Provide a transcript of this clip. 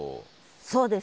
そうです。